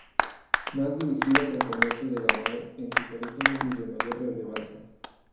Más dirigidas al comercio de ganado en sus orígenes y de mayor relevancia.